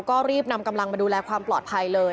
ก็รีบนำกำลังมาดูแลความปลอดภัยเลย